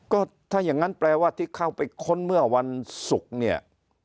ก็ถ้าอย่างนั้นแปลว่าที่เข้าไปค้นเมื่อวันศุกร์เนี่ย